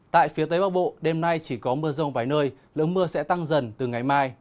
tại phía tây bắc bộ đêm nay chỉ có mưa rông vài nơi lượng mưa sẽ tăng dần từ ngày mai